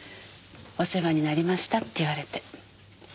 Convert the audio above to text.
「お世話になりました」って言われて。